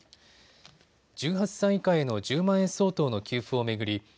１８歳以下への１０万円相当の給付を巡り